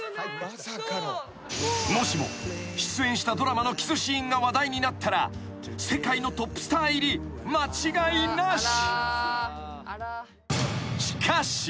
［もしも出演したドラマのキスシーンが話題になったら世界のトップスター入り間違いなし］